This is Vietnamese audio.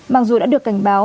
mặc dù đã được cảnh báo